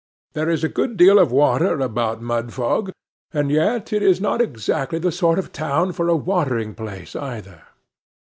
There is a good deal of water about Mudfog, and yet it is not exactly the sort of town for a watering place, either.